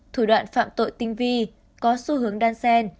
thủ đoạn phạm tội tinh vi có xu hướng đan sen